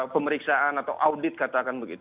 pemeriksaan atau audit